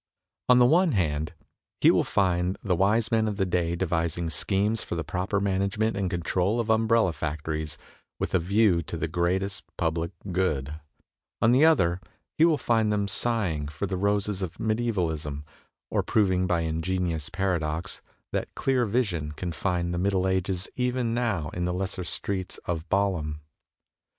On the one hand he will find the wise men of the day devising schemes for the proper management and control of umbrella factories with a view to the greatest public good ; on the other he will find them sighing for the roses of medievalism, or proving by ingenious para dox that clear vision can find the Middle Ages even now in the lesser streets of Balham.